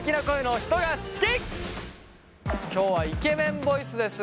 今日はイケメンボイスです。